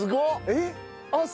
えっ！